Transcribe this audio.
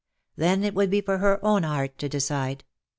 Then it would be for her own heart to decide.